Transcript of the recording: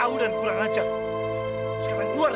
nusantara sama may detik pendasar